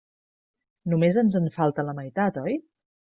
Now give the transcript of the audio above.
Només ens en falta la meitat, oi?